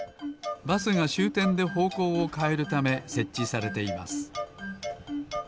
バスがしゅうてんでほうこうをかえるためせっちされています。